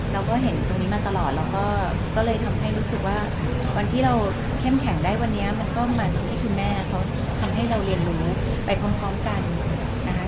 เราก็เห็นตรงนี้มาตลอดเราก็เลยทำให้รู้สึกว่าวันที่เราเข้มแข็งได้วันนี้มันก็มาจากที่คุณแม่เขาทำให้เราเรียนรู้ไปพร้อมกันนะคะ